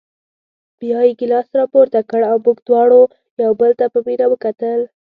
بیا یې ګیلاس راپورته کړ او موږ دواړو یو بل ته په مینه وکتل.